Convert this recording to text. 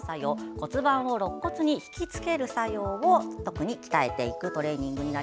骨盤を引き付ける作用を特に鍛えていくトレーニングです。